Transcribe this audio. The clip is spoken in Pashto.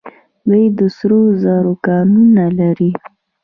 دوی د سرو زرو کانونه لري.